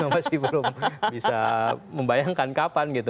masih belum bisa membayangkan kapan gitu